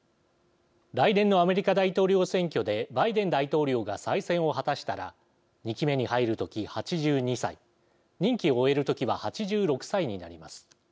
来年のアメリカ大統領選挙でバイデン大統領が再選を果たしたら２期目に入る時、８２歳任期を終える時は８６歳になります。